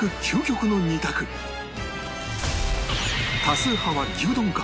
多数派は牛丼か？